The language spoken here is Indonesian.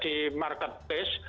di market base